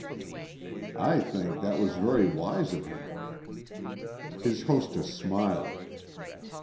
"I think that was very wise of him." His hostess smiled.